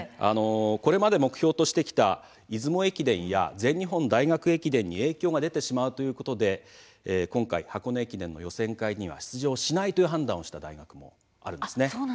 これまで目標としてきた出雲駅伝や全日本大学駅伝に影響が出てしまうということで箱根駅伝の予選会に出場しないという判断をした大学もあるんです。